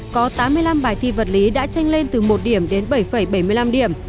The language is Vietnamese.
có tám mươi năm bài thi vật lý đã tranh lên từ một điểm đến bảy bảy mươi năm điểm